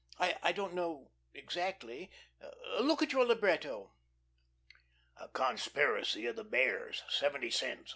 I don't know exactly. Look at your libretto." " a conspiracy of the Bears ... seventy cents